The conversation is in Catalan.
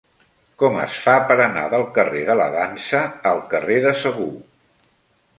Com es fa per anar del carrer de la Dansa al carrer de Segur?